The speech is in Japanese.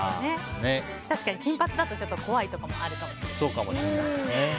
確かに金髪だと、ちょっと怖いところもあるかもしれません。